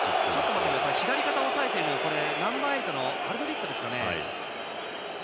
左肩を押さえるのはナンバーエイトのアルドリットですかね。